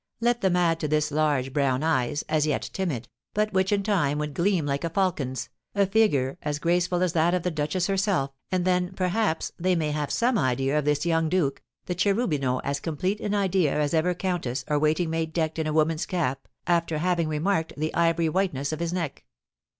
Let them add to this large brown eyes, as yet timid, but which in time would gleam like a falcon's, a figure as graceful as that of the duchess herself, and then, perhaps, they may have some idea of this young duke, the Cherubino as complete in idea as ever countess or waiting maid decked in a woman's cap, after having remarked the ivory whiteness of his neck.